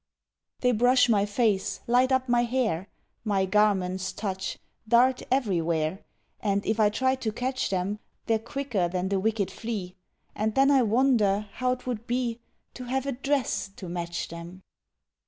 They brush my face, light up my hair, My garments touch, dart everywhere; And if I try to catch them They're quicker than the wicked flea And then I wonder how 'twould be To have a dress to match them.